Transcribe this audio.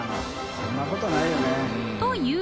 そんなことないよね。という